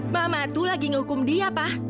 mama tuh lagi ngukum dia pa